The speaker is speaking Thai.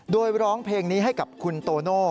โดยร้องเพลงนี้ให้กับคุณโตโน่